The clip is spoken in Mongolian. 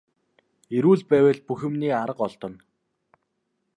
Эрүүл байвал бүх юмны арга олдоно.